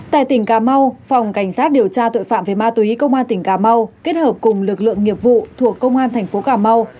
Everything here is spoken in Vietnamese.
tại tỉnh cà mau phòng cảnh sát điều tra tội phạm về ma túy công an tỉnh cà mau kết hợp cùng lực lượng nghiệp vụ thuộc công an thành phố cà mau